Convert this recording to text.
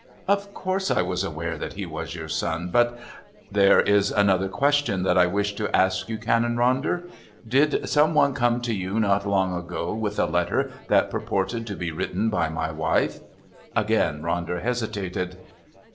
"Of course I was aware that he was your son. But " "There is another question that I wish to ask you, Canon Ronder. Did some one come to you not long ago with a letter that purported to be written by my wife?" Again Ronder hesitated.